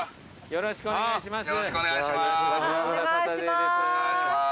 よろしくお願いします。